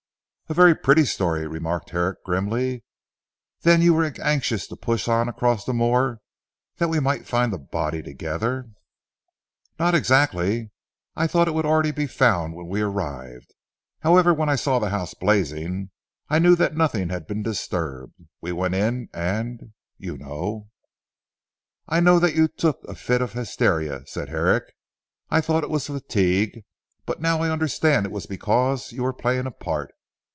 "A very pretty story!" remarked Herrick grimly, "then you were anxious to push on across the moor that we might find the body together?" "Not exactly; I thought it would be already found when we arrived. However when I saw the house blazing I knew that nothing had been disturbed. We went in and you know " "I know that you took a fit of hysteria," said Herrick. "I thought it was fatigue, but now I understand it was because you were playing a part.